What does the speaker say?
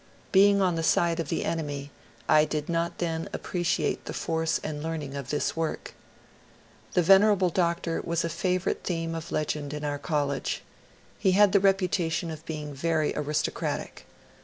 '' Being on the side of the enemy, I did not then appreciate the force and learn ing of this work. The venerable doctor was a favourite theme of legend in our college. He had the reputation of being very aristocratic.